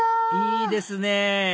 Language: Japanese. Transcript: いいですねぇ